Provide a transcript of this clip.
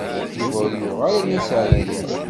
Yuba ur yuɣ ara Nna Seɛdiya.